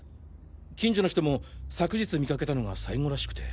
近所の人も昨日見かけたのが最後らしくて。